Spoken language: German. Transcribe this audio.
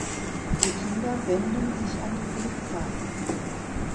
Die Kinder wenden sich an die Polizei.